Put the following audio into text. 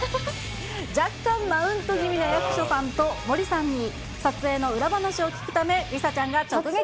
若干マウント気味な役所さんと森さんに撮影の裏話を聞くため、梨紗ちゃんが直撃。